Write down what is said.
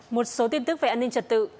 một số tin tức về an ninh trật tự